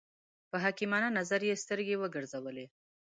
په حکیمانه نظر یې سترګې وګرځولې.